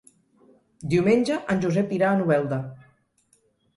Diumenge en Josep irà a Novelda.